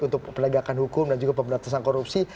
untuk penegakan hukum dan juga pemberantasan korupsi